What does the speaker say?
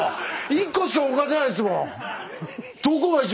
１個しか動かせないっすもん。